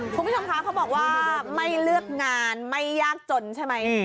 คุณผู้ชมคะเขาบอกว่าไม่เลือกงานไม่ยากจนใช่ไหม